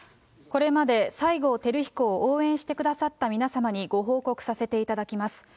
これまで西郷輝彦を応援してくださった皆様にご報告させていただきます。